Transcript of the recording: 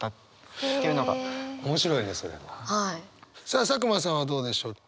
さあ佐久間さんはどうでしょう？